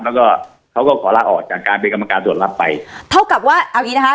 แล้วก็เขาก็ขอลาออกจากการเป็นกรรมการตรวจรับไปเท่ากับว่าเอางี้นะคะ